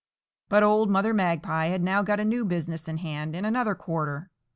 But old Mother Magpie had now got a new business in hand in another quarter.